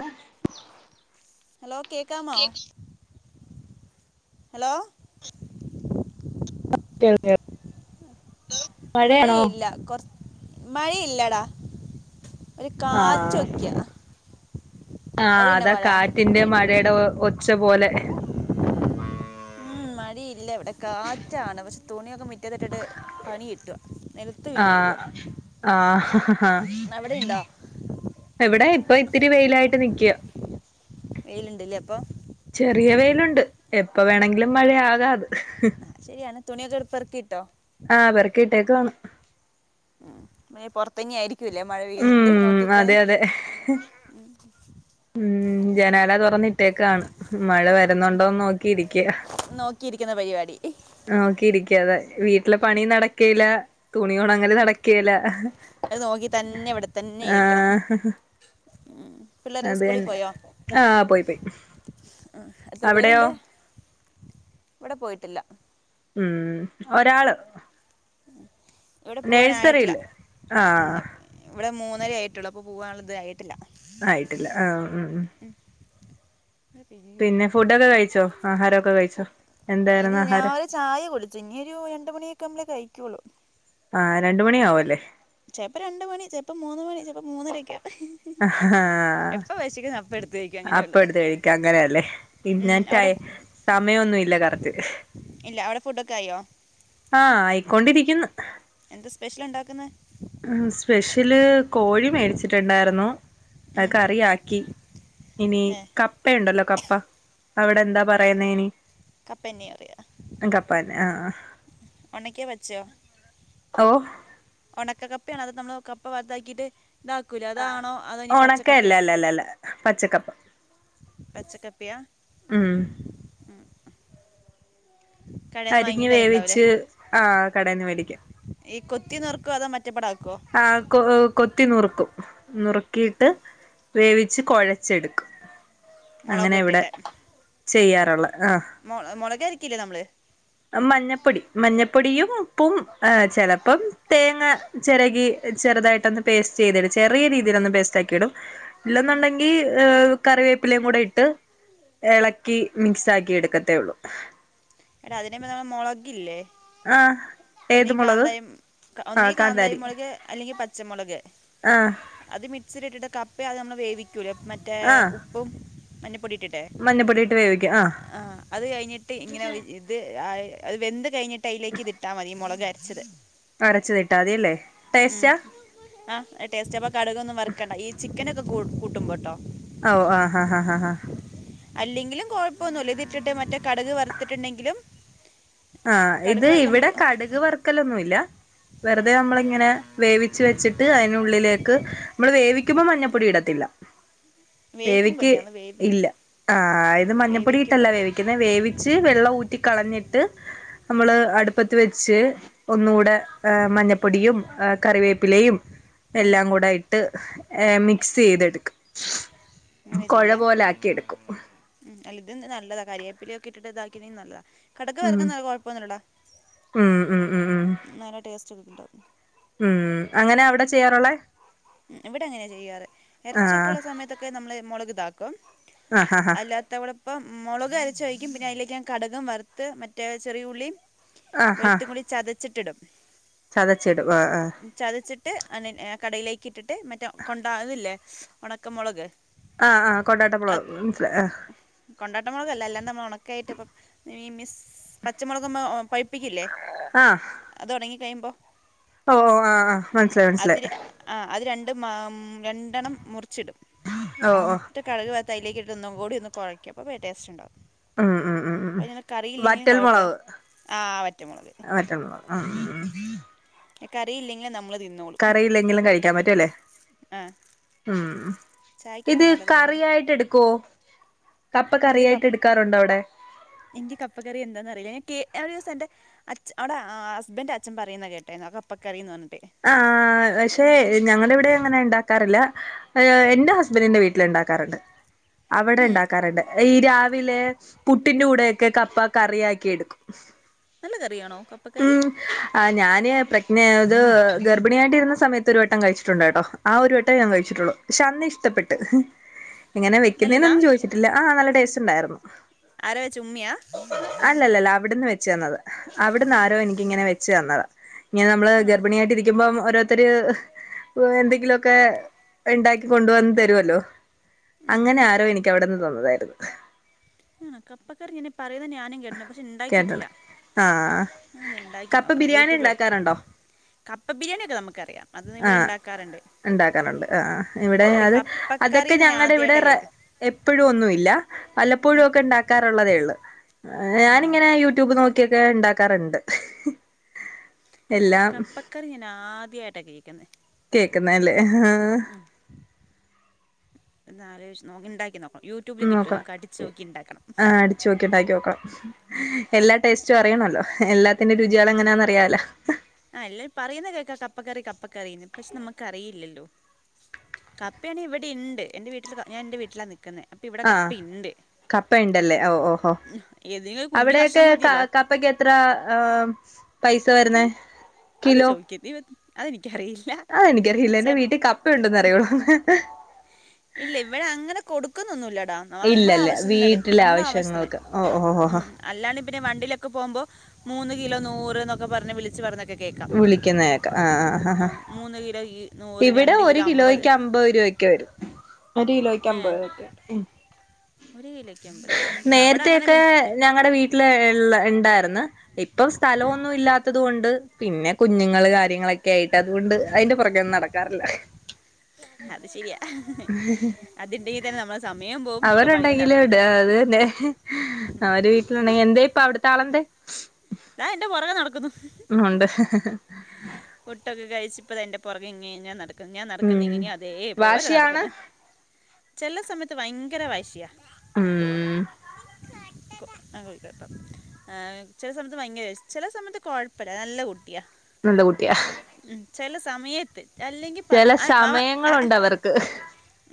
അഹ് hello കേൾക്കാമോ hello കേൾക്ക് കേൾക്കാം മഴയില്ല കൊറ് മഴയില്ലടാ ഒരു ആഹ് കാറ്റൊക്കെ ആഹ് അതാ കാറ്റിന്റെ മഴയുടെ ഒച്ച പോലേ ഉം മഴയില്ല ഇവിടെ കാറ്റാണ് പക്ഷെ തുണിയൊക്കെ മുറ്റത്ത് ഇട്ടിട്ട് പണി കിട്ടാ നിലത്ത് വീണ് പോവ ആ ഹ ഹ ഹാ ഇവിടെ ഇപ്പൊ ഇത്തിരി വെയിലായിട്ട് നിക്കുക വേയിലുണ്ടല്ലേ അപ്പൊ ചെറിയ വെയിലുണ്ട് എപ്പ വേണെങ്കിലും മഴയാകാതെ ആഹ് ശരിയാണ് തുണിയക്കട് പെറക്കിട്ടോ ആഹ് പേറക്കിട്ടേക്ക് കാണ് ഉം പൊറത്ത് തന്നേ ആയിരിക്കും ക്കൂല്ല മഴ പെയ്യുന്നുണ്ട് ഉം നോക്കിക്കാന് അതെ അതെ ഉം ജനാല തുറന്നിട്ടേക്കാണ് മഴ വരുന്നുണ്ടോന്ന് നോക്കിയിരിക്ക നോക്കിയിരിക്കുന്ന പരിപാടി ആഹ് നോക്കിയിരിക്ക അതെ വീട്ടിലെ പണി നടക്കേല തുണിയോണൽ നടക്കേല അത് നോക്കി തന്നെ ഇവിടെ തന്നെ ഇരിക്കണം ആഹ് ഉം. പിള്ളേരൊക്കെ അത് സ്കൂളിൽ തന്നെ ആഹ് പോയി പോയി ആഹ് എത്ര അവിടെയോ പേരുണ്ട് ഇവിടെ പോയിട്ടില്ല ഉം ഒരാള് ഉഇവിടെ പൂവാനായിട്ടില്ല നേഴ്സറിയില് ആഹ് ഇവിടെ മൂന്നര ആയിട്ടുള്ളൂ അപ്പൊ പോവാനുള്ളത് ആയിട്ടില്ല ആയിട്ടില്ല ആഹ് ഉം ഉം പിരിയൂ. പിന്നെ ഫുഡൊക്കെ കഴിച്ചോ ആഹാരമൊക്കെ കഴിച്ചോ ഇൽ എന്തായിരുന്നു ആഹാരം ഞാൻ ചായ കുടിച്ചു. ഇനി ഒരു രണ്ട് മണിയൊക്കെ ആകുമ്പളെ കഴിക്കുള്ളൂ ആഹ് രണ്ട് മണി ആവു അല്ലേ ചെലപ്പോ രണ്ട് മണി ചെലപ്പ മൂന്ന് മണി ചെലപ്പ മൂന്നരക്കെ ആവും അപ്പടുത് കഴിക്ക അങ്ങനെയല്ലേ പിന്ന ഉം, ടൈ അവിടെ സമയൊന്നു ഇല്ല കറക്റ്റ് ഇല്ല അവിടെ ഫുഡ് ഒക്കെ ആയോ ആഹ് ആയിക്കൊണ്ടിരിക്കുന്നു എന്ത്‌ സ്പെഷ്യല് ഒണ്ടാക്കുന്നത് സ്പെഷ്യല് കോഴി മേടിച്ചിട്ടുണ്ടായിരുന്നു അത് കറിയാക്കി ഇനി ഏ കപ്പയുണ്ടല്ലോ കപ്പ അവിടെ എന്താ പറയുന്നേ അയ്നി കപ്പന്നെ പറയ കപ്പന്നെ ആഹ് ഒണക്കൻ വെച്ചോ ഓഹ് ഒണക്കക്കപ്പയാണ് അത് നമ്മൾ കപ്പ വറുതാക്കിയിട്ട് ഇതാക്കൂലെ അതാണോ? അതൊ ഇനി ഒണക്കയല്ല പച്ചക്കപ്പയൊ അല്ല അല്ല അല്ല പച്ചക്കപ്പ പച്ചക്കപ്പയ ഉം കടയിൽ നിന്ന് അരിഞ്ഞ് വാങ്ങിയിട്ട് അതുണ്ടാവൂലേ വേവിച്ച് ആ കടേന്ന് മേടിക്കും ഈ കൊത്തി നോറക്കുവോ അതോ മറ്റപ്പാടാക്കുവോ ആഹ് കൊ കൊത്തി നുറുക്കും നുറുക്കിട്ട് വേവിച്ച് കുഴച്ചെടുക്കും. മുളക് അങ്ങനെ ഇവിടെ ചെയ്യാറുള്ള ആഹ് മുള മുളകരിക്കില്ലേ നമ്മള് മഞ്ഞപ്പൊടി മഞ്ഞപ്പൊടിയും ഉപ്പും ആഹ് ചെലപ്പം തേങ്ങ ചെരകി ചെറുതായിട്ടൊന്ന് പേസ്റ്റ് ചെയ്തിടും ചെറിയ രീതിലൊന്ന് പേസ്റ്റ് ആക്കിയിടും, ഇല്ലെന്നുണ്ടെങ്കിൽ ഏഹ് കറിവേപ്പിലേയും കൂടെ ഇട്ട് ഇളക്കി മിക്സ് ആക്കി എടുക്കത്തേ ഉള്ളു എടാ അതിന്മുബ് നമ്മളെ മുളകില്ലേ ആഹ് ഒന്നീ ഏത് മുളക് കാന്തായ ഒന്നീ കാന്താരി മുളക് അല്ലെങ്കിൽ പച്ചമുളക് ആഹ് അത് മിക്സിൽ ഇട്ടിട്ട് കപ്പ ആദ്യയെ നമ്മള് വേവിക്കൂലേ മറ്റേ ആഹ് ഉപ്പും മഞ്ഞപ്പൊടി ഇട്ടിട്ട് മഞ്ഞപ്പൊടിയിട്ട് വേവിക്കും ആഹ് അത് കഴിഞ്ഞിട്ട് ഇങ്ങനെ ത് അത് വെന്ത് കഴിഞ്ഞിട്ട് അതിലേക്ക്തിട്ടാൽ മതി ഈ മുളക് അരച്ചത് അരച്ചതിട്ടാൽമതി അല്ലേ ടേസ്റ്റാ ആഹ് ടേസ്റ്റാ അപ്പൊ കടുകൊന്നും വറക്കണ്ട ഈ ചിക്കനൊക്കെ കൂട്ടുമ്പോട്ടോ ഓഹ് ആഹ്ഹാഹാഹാ അല്ലെങ്കിലും കൊഴപ്പോന്നുല്ല ഇതിട്ടിട്ട് മറ്റേ കടക് വറുത്തിട്ടുണ്ടെങ്കിലും ആഹ് കടുക് ഇത് വറക്കുമ്പോൾ ഇവിടെ കടുക് വറുക്കലൊന്നുല്ല വെറുതെ നമ്മളിങ്ങനെ വേവിച്ച് വെച്ചിട്ട് അയ്നുള്ളിലേക്ക് നമ്മള് വേവിക്കുമ്പോ മഞ്ഞപ്പൊടി ഇടത്തില്ല വേവിക്ക് വേവിക്കുമ്പോഴല്ലേ ഞങ്ങൾ വേവി ഇല്ല ആ ഇത് മഞ്ഞപ്പൊടി ഇട്ടല്ല വേവിക്കുമ്പോഴും വേവി.. ക്ക്ന്ന. വേവിച്ച് വെള്ള ഊറ്റി കളഞ്ഞിട്... ട്ട് നമ്മള് അടുപ്പത്ത്‌ വെച്ച് ഒന്നൂടെ ഏഹ് മഞ്ഞ... പ്പൊടിയും ഏഹ് കറിവേപ്പിലയും ഉം, എല്ലാം കൂടെ ഇ.. ട്ട് ഏഹ് മിക്സെയ്തെടുക്കും അങ്ങനെ ചെയ്യാ ഉം അല്ല ഇത് നല്ലതാ കരിയാപ്പിലിക്കെ ഇട്ടിട്ട് ഇതാക്കണെങ്കിൽ നല്ലതാ കടക് ഉം വറക്കുന്നത് കൊഴപ്പൊന്നുടാ ഉം ഉം ഉം ഉം നല്ല ടേസ്റ്റ്കിട്ടും ഉം അങ്ങനാ അവിടെ ചെയ്യാറുള്ളെ ഇവിടങ്ങനെയാ ചെയ്യാറ് ആഹ് എറച്ചിക്കെയള്ള സമയത്തൊക്കെ നമ്മള് മുളക് താക്കും ആഹ് ആഹ് അല്ലാ ത്തവടപ്പം മുളക് അരച്ച ഒഴിക്കും പിന്നെ അതിലേക്ക് ഞാൻ കടകും വറുത്ത് മറ്റേ ചെറിയുള്ളി ആഹ് ആഹ് വെളുത്തകുടി ചതച്ചിട്ടിടും ചതച്ചിടും ആഹ് ആഹ് ചതച്ട്ട് അ കടയിലേക്ക് ഇട്ടിട്ട് മറ്റേ കൊണ്ടാ ഇതില്ലേ ഒണക്കമൊളക് ആഹ് ആഹ് കൊണ്ടാട്ടമൊളക് മൻസ്സിലായ് ആഹ്.. കൊണ്ടാട്ടമൊളകല്ല എല്ലാം നമ്മൾഒണക്കയിട്ട് ഇപ്പ ഈ മിസ് പച്ചമുളക് മ്മ പ... പ്പിക്കില്ലേ ആഹ് അത് ഒണങ്ങി കഴിയുമ്പോ ഓഓ ആ ആ അത് ര അത് രണ്ടും ആഹ് രണ്ടെണ്ണം മുറിച്ചിടും ഓ ഒഹ് ട്ട് കടക് വർത് അയ്ലേക്ക്ട്ട്ട്ട് ഒന്നും കൂടി ഒന്ന് കൊയക്കും അപ്പോ ടേസ്റ്റ് ണ്ടാവും ഉം ഉം ഉം ഉം അയ്നെ കറിയില്ലെങ്കിലും വറ്റൽ കൊഴപ്പില്ല മുളക് ആ വറ്റമോളക് ആഹ് കറിയില്ലെങ്കിലും നമ്മള് കറിയില്ലെങ്കിലും കഴിക്കാൻ പറ്റുഅല്ലേ ആ ആഹ് ചായക്കൊക്കെ ഇത് നല്ലതാണ് അങ്ങനെ കറിയായിട്ടെടുക്കോ കപ്പ എന്ത് കപ്പ് കറിയായിട്ടെടുക്കാറുണ്ടോ അവിടെ എനിക്ക് കപ്പക്കറി എന്താന്നറിയില്ല. ഞാൻ കേ ഒരു ദിവസം എന്റെ അച് അവിടെ ഹസ്ബൻഡ്ന്റെ അച്ഛൻ പറയുന്ന കേട്ട് ട്ടേന്നക്കപ്പക്കറിന്ന് പർഞ്ഞിട്ട് ആഹ് പക്ഷെ ഞങ്ങടെവിടെ അങ്ങനെണ്ടാ.. ക്കാറില്ല എന്റെ ഹസ്ബൻഡറിന്റെ വീട്ടില്ണ്ടാക്കാറ്ണ്ട് അവടെ ഇണ്ടാക്കാറുണ്ട്. ഈ രാവിലെ പുട്ടിന്റെ കൂടെയെക്കെ കപ്പ കറിയാക്കി എടുക്കും നല്ല കറിയാണോ കപ്പക്കറി ഉം ആഹ് ഞാന് പ്രക്ന ഇത് ഗർഭിണിയായിട്ട് ഇരുന്ന സമയത്ത് ഒരു വട്ടം കഴിച്ചിട്ടുണ്ട് കേട്ടോ ആ ഒരു വട്ടേ ഞാൻ കഴിച്ചിട്ടുള്ളു. പക്ഷെ അന്നിഷ്ട്ടപ്പെട്ട് എങ്ങനെ നല്ലതാ വെക്കുന്നേന്നൊന്നും ചോദിച്ചിട്ടില്ല ആഹ് നല്ല ടേസ്റ്റ് ണ്ടായിരുന്നു ആര വെച്ച് ഉമ്മിയാ അല്ലല്ലല്ല അവിടെന്ന് വെച്ച് തന്നത് അവിട്ന്നാരോ എനിക്കിങ്ങനെ വെച്ച് തന്നതാ. ഇങ്ങനെ നമ്മള് ആണോ ഗർഭിണിയായിട്ടിരിക്കുമ്പം ഓരോരുത്തര് എന്തെ ങ്കിലൊക്കെ ഇണ്ടാക്കി കൊണ്ട് വന്ന് തരുവല്ലോ ഉം അങ്ങനെ ആരോ എനിക്കവിടെന്ന് തന്നതായിരുന്നു ആഹ് കപ്പ കറി ഇങ്ങനെ പറയുന്നത് ഞാനും കേട്ട്ണ് പക്ഷെ ഇണ്ടാക്കിയിട്ടില്ല കേട്ടണേ ആഹ് ഒന്ന് ഇണ്ടാക്കി കപ്പ നോക്കണം ബിരിയാണി യൂടൂബി ഉണ്ടാക്കാറുണ്ടോ കപ്പ ബിരിയാണിയൊക്കെ നമുക്കറിയാം അത് ന്ന് ഇവിടെ ഇണ്ടാക്കാറ്ണ്ട് ഇണ്ടാക്കാറ്ണ്ട് ആഹ് ആ ഇവിടെ അത് കപ്പക്കറി അതൊക്കെ ഞാൻ ഞങ്ങടെ ഇവിടെ ആദ്യമായിട്ടാണ് റെ കേൾക്കുന്നത് എപ്പഴും ഒന്നുവില്ല വല്ലപ്പോഴും ഒക്കെ ഇണ്ടാക്കാറുള്ളതേ ഒള്ളു ആണോ ഞാനിങ്ങനെ യൂട്യൂബ് നോക്കിയൊക്കെ ഇണ്ടാക്കാറ്ണ്ട് ഏഹ് കപ്പക്കറി ഞാൻ ആദ്യായിട്ടാ കേക്കുന്നെ കേക്കുന്നെ അല്ലേ? ആഹ് ആഹ് ഒന്ന് ആലോചിച്ച് നോ ഇണ്ടാക്കി നോക്കണം യൂട്യൂബി കിട്ടും നമുക്ക് അടിച്ച് നോക്കി ഇണ്ടാക്കണം അടിച്ച് നോക്കി ഇണ്ടാക്കി നോക്കണം എല്ലാ ടേസ്റ്റും അറിയണവല്ലോ എല്ലാത്തിന്റെയും രുചികള് എങ്ങനാന്നറിയാലോ? ആഹ് എല്ലരും പറയുന്ന കേൾക്കാ കപ്പക്കറി കപ്പക്കറീന്ന് പക്ഷെ നമ്മക്കറിയില്ലല്ലോ? കപ്പയാണേ ഇവിടെ ഇണ്ട് എന്റെ വീട്ടില് ക ഞാൻ എൻറെ വീട്ടിലാ നിക്കുന്നേ അപ്പൊ ഇവിടെ കപ്പയ്ണ്ട് കപ്പയിണ്ടല്ലേ? ഓ ഓഹോ ഏതെങ്കിലും ഒരു കുഞ്ഞു അവിടെയെക്കെ കഷ്ണം ക മതിയല്ലോ. കപ്പൊക്കെത്ര ഏം അത് അത് ചോയ്ക്കര്ത് ദൈവ അതെനിക്കറിയില്ല അതെനിക്കറിയില്ല ച എന്റെ വീട്ടി കപ്പയുണ്ടെന്ന് അറിയൊള്ളു ഇല്ലേ ഇവിടെ അങ്ങനെ കൊടുക്കുന്നു ഒന്നുല്ലടാ ങ്ങാഹ് നമ്മളെ ഇല്ലല്ല ആവശ്യത്തിന് എട്ക്കും വീട്ടിലെ നമ്മുടെ ആവശ്യത്തിന് ആവശ്യങ്ങൾക്ക് ഓ ഓ ഓ ഉം അല്ലാണ്ട് പിന്നെ വണ്ടിയിലൊക്കെ പോകുമ്പോ മൂന്ന് കിലോ നൂറ് എന്നൊക്കെ പറഞ്ഞ് വിളിച്ച് പറഞ്ഞൊക്കെ കേ ക്കാം ആ മൂന്ന് കിലോ ഇവിടെ ഒരു കിലോ കിലോയ്ക്ക് അമ്പത് രൂപ യൊക്കെ വരുന്നേ ഒരു കിലോയ്ക്ക് അമ്പത് രൂപയോ? ഉം ഒരു കിലോക്കമ്പത് ആഹ് ഇവിടെ അങ്ങനെ വിളി ഞ്ഞ ഞങ്ങൾടെ വീട്ടില് ഇള്ള ഇണ്ടായിർന്ന് ഇപ്പം ആ സ്ഥലവൊന്നും ഇല്ലാത്തത് കൊണ്ട് പിന്നെ കുഞ്ഞുങ്ങള് കാര്യങ്ങളൊക്കെ ആയിട്ട് അതുകൊണ്ട് അയിന്റെ പെറകേയൊന്നും നടക്ക റില്ല അത് ശരിയാ അതിണ്ടെങ്കി തന്നെ നമ്മളെ സമയം പോ അവരുണ്ടെങ്കില് എവ്ടെ ആഹ് അത് തന്നെ അവര് വീട്ടിലുണ്ടെങ്കി എന്തേ ഇപ്പ അവിടുത്തെ ആളെന്തെ? ദാ എന്റെ പൊറകെ നടക്കുന്നു ഉം ഒണ്ട് ഫുഡൊക്കെ കഴിച്ച് ഇപ്പെതേ എന്റെ പൊറകെ ഇങ്ങെ ഇങ്ങെ നടക്ക് ന്ന് ഞാൻ നടക്കുന്ന ഉം എങ്ങനെയോ അതേ പോലെ നടക്ക്ന്ന് വാശിയാണ് ചെല്ല സമയത്ത് ഭയങ്കര വാശിയാ ഉം ഏം ചെല സമ യത്ത് ഭയങ്കര ചെല സമയത്ത് കൊഴപ്പല്ല നല്ല കുട്ടിയാ നല്ല കുട്ടിയാ ഉം ചെല സമയത്ത് അല്ലെങ്കിൽ ചെല പറഞ്ഞ ആ, മാമ ആ, ആ. സമയങ്ങളുണ്ട് അവർക്ക്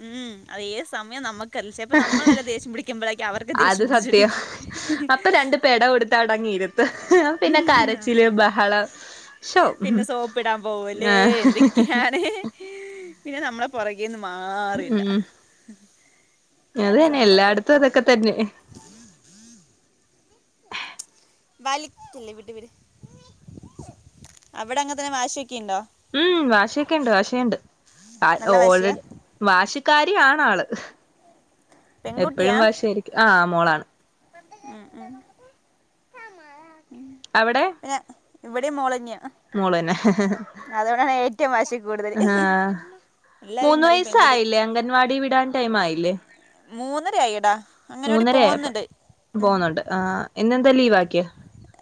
ഉം അതേത് സമയാ നമക്ക് അറീല ചെലപ്പൊ നമ്മള് വല്ല ദേഷ്യം പിടിക്കുമ്പയായിരിക്കും അവർക്ക് അത് ദേഷ്യം പിടിച്ചോണ്ട് സത്യം നിക്യ അപ്പൊ രണ്ട് പെട കൊടുത്ത് അടങ്ങിയിരുത്ത് പിന്നെ കരച്ചില് ബഹളം- ശോ പിന്നെ സോപ്പിടാൻ പോവല് ആഹ് എന്തൊക്കെയാണ് പിന്നെ നമ്മളെ പൊറകേന്നും- മാറില്ല ഉം ഒക്കെയാണ് സംഭവങ്ങള് ഇതൊക്കെ തന്നെ അവിടെ അങ്ങ തന്നെ വാശിയൊക്കെണ്ടോ ഉം വാശിയൊക്കെ ഒണ്ട് വാശിയൊണ്ട് അത് നല്ല വാശിയാ ഓൾറെഡി വാശിക്കാരി ആണാള് എപ്പോഴും വാശായാരിക്കും ആ മോളാണ്- ഉം ഉം അവിടെ പിന്നെ ഇവിടെയും മോളന്നെയാ മോള് തന്നെ അതോണ്ടാണ് ഏറ്റവും വാശി കൂടുതല് ആഹ് എല്ലാരും മൂന്ന് പറയും പെൺകുട്ടി വയസായില്ലേ അംഗൻവാടി വിടാൻ ടൈം ആയില്ലേ മൂന്നര ആയിടാ അംഗനവാടി പോകുന്നുണ്ട് ഉം ആഹ് ഇന്നെന്താ ലീവ് ആക്കിയോ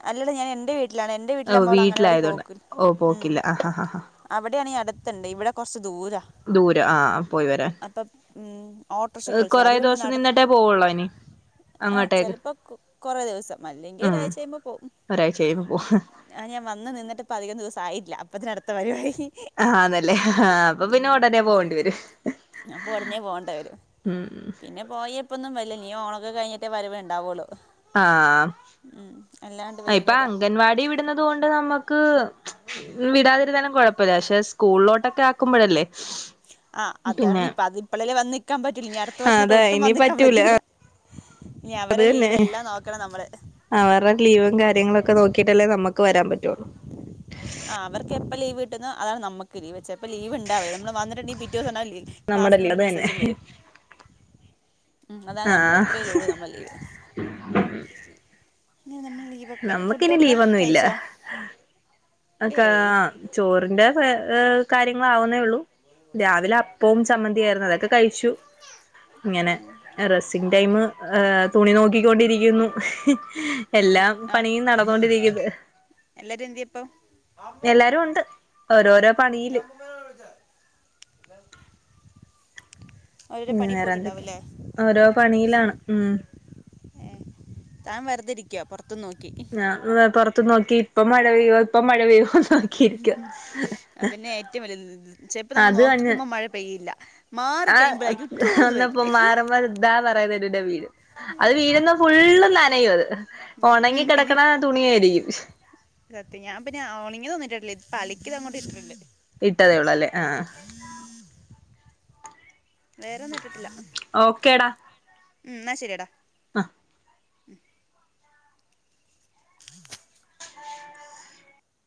അല്ലടാ ഞാൻ എൻ്റെ വീട്ടിലാണ് എൻ്റെ ഓ വീട്ടിലാമോൾ അംഗനവാടി വീട്ടിലായതുകൊണ്ട് പോക്ക് ഓ ഉം പോക്കില്ല ആ ആ ആ ആ അവിടെയാണീ അടുത്തുണ്ട് ഇവിടെ കൊറച്ച് ദൂരാ. ദൂരം ആ പോയി വരാൻ അപ്പൊ ഉം ഓട്ടോറിക്ഷക്കെ വിളിച്ച കൊറേ അത് പിന്നെ ദിവസം നട നിന്നിട്ടേ പോവുള്ളോ ഇനി ആഹ് അങ്ങോട്ടേക്ക് ചെലപ്പോ കൊറേ ദിവസം അല്ലെങ്കിൽ ഉം ഒരാഴ്ച കഴിയുമ്പോ ഒരാഴ്ച കഴിയുമ്പൊ പോവും. ആഹ് ഞാൻ വന്ന് നിന്നിട്ട് ഇപ്പോ അധികം ദിവസം ആയില്ല അപ്പോത്തിന് അടുത്ത വരവായി. ആഹ് ആന്നല്ലേ ആഹ് അപ്പൊ പിന്നെ ഒടനെ പോകേണ്ടി വരും. അപ്പോ ഒടനെ പോകണ്ട വരും ഉം പിന്നെ പോയയിപ്പൊന്നും വരില്ല ഇനീ ഓണോക്കെ കഴിഞ്ഞിട്ടേ വരവൊണ്ടാവൊള്ളു. ആഹ് ഇപ്പൊ വരുവൊന്നുമില്ല അംഗൻവാടി വിടുന്നത് കൊണ്ട് നമ്മുക്ക് ക്ക് വിടാതിരുന്നാലും കുഴപ്പമില്ല പക്ഷെ സ്കൂളിലോട്ടൊക്കെ ആക്കുമ്പോഴല്ലേ. ആഹ് പിന്നെ അതാണിപ്പം അതിപ്പളല്ലേ വന്ന്നിക്കാൻ പറ്റുള്ളൂ ഇനി അടുത്ത വർഷം തൊട്ട് അതെ ഒട്ടും ഇനി വന്നു നിൽക്കാൻ പറ്റൂല പറ്റില്ല- ഇനി അവരെ ലീവെല്ലാം നോക്കണം നമ്മള്. അവർടെ ലീവും കാര്യങ്ങളും ഒക്കെ നോക്കിട്ടല്ലേ നമുക്ക് വരാൻ പറ്റൊളു. ആഹ് അവർക്കെപ്പൊ ലീവ് കിട്ടുന്നോ അതാണ് നമ്മക്ക്. ചെയപ്പോ ലീവ്ണ്ടാവേ നമ്മള് വന്നിട്ട്ണ്ടങ്കി പിറ്റേസംണ്ടാവിലെ നമ്മുടെ ക്ലാസ്ന്നും ലീവ് പറഞ്ഞു അത് തന്നെ മേസ്സേജും വരും. ഉം അതാണ് നമ്മൾ ആഹ് അത്രല്ലേ ഒള്ളു നമ്മൾ ലീവ്. ഇനി നമ്മളെ ലീവൊക്കെ നമ്മുക്കിനി ഫുഡൊക്കെ ലീവൊന്നും ഇല്ല കഴിച്ചോ? ഏയ് ചോറിന്റെ കാര്യങ്ങളാവുന്നേ ഒള്ളൂ രാവിലെ അ പ്പവും ചമ്മന്തി ആയിരുന്നു അതൊക്കെ കഴിച്ചു ഇങ്ങനെ. റെസ്സിങ് ടൈമ് തുണി നോക്കിക്കൊണ്ടിരിക്കുന്നു എല്ലാം. പണിയും നടന്നുകൊണ്ടിരിക്കുന്ന്. എല്ലാരും എന്ത്യേ ഇപ്പം? എല്ലാരും ഒണ്ട് ഓരോരോ പണിയില്. [inaudible] ഓരോരോ പിന്നെ പണി വേറെ എന്തൊക്കെ പോയിട്ടുണ്ടാവുമല്ലേ ഓരോ പണിയിലാണ് ഉം. ഏഹ് താൻ വെറുതെരിക്ക പൊറത്തും നോക്കി. ഞാൻ പൊറത്തു നോക്കി ഇപ്പോ മഴ പെയ്യോ ഇപ്പോ മഴ പെയ്യോ. നോക്കിയിരിക്ക ഉം അതന്നെ ഏറ്റവും വലിയൊരിത് ചെലപ്പോ നമ്മൾ അത് തന്നെ നോക്കിക്കുമ്പോൾ മഴ പെയ്യില്ല. മാറി ആ കഴിയുമ്പോഴാരിക്കും ഠോന്ന് വന്നപ്പോ പെയ്യല് മാറുമ്പോ ഇതാ പറയുന്നത് മുന്നേ വീഴും- അത് വീഴുന്ന ഫുളും നനയും അത് ഉണങ്ങി ഉം പിന്നെ കെടക്കണ തുണിയായിരിക്കും സത്യം ഞാൻ പിന്നെ ഉണങ്ങിയതൊന്നും ഇട്ടിട്ടില്ല ഇപ്പോ അലക്കിയത് അങ്ങോട്ട് ഇട്ടിട്ടുണ്ട് ഇട്ടതേ ഉള്ളു അല്ലേ ആഹ് വേറെ ഒന്നും ഇട്ടിട്ടില്ല ഉം ഇന്ന ശരിടാ ആഹ്